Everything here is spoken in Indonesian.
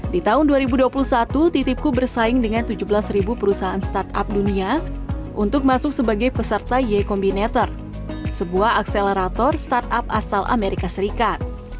di tahun dua ribu dua puluh satu titipku bersaing dengan tujuh belas perusahaan startup dunia untuk masuk sebagai peserta yekombinator sebuah akselerator startup asal amerika serikat